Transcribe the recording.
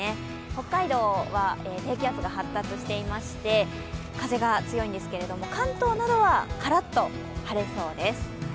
北海道は低気圧が発達していまして風が強いんですけれども関東などは、カラッと晴れそうです。